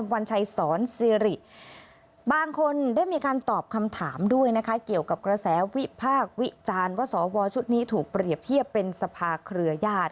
บางคนได้มีการตอบคำถามด้วยนะคะเกี่ยวกับกระแสวิภาควิจารณ์ว่าสวชุดนี้ถูกเปรียบเทียบเป็นสภาครัวยาศ